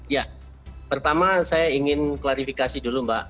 ya pertama saya ingin klarifikasi dulu mbak